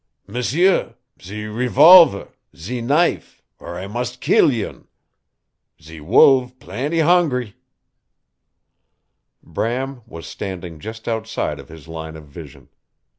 "M'sieu ze revolv' ze knife or I mus' keel yon. Ze wolve plent' hungr' " Bram was standing just outside of his line of vision.